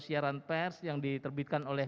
siaran pers yang diterbitkan oleh